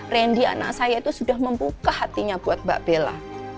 randy anak saya itu sudah membuka hatinya buat mbak bella